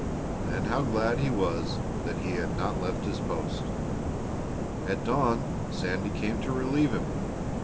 Then how glad he was that he had not left his post! At dawn Sandy came to relieve him.